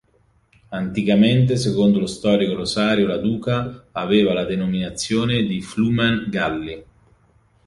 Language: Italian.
Anticamente secondo lo storico Rosario La Duca aveva la denominazione di Flumen Galli.